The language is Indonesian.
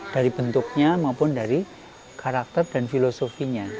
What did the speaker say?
dari bentuknya maupun dari karakter dan filosofinya